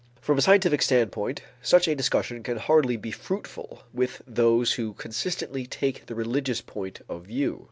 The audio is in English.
From a scientific standpoint such a discussion can hardly be fruitful with those who consistently take the religious point of view only.